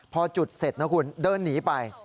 พอจุดเสร็จนะคุณเดินหนีไป